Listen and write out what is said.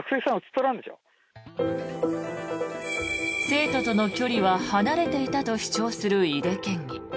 生徒との距離は離れていたと主張する井手県議。